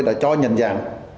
đã cho nhận dạng